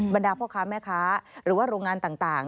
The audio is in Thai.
บรรดาพ่อค้าแม่ค้าหรือว่าโรงงานต่าง